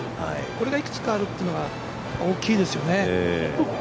これがいくつかあるっていうのが大きいですよね。